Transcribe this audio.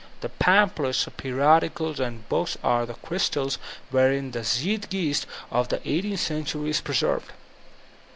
The panq)hlets, periodicals, and books are the crystals wherein ike Zeiigeist of the i8th century is preserved.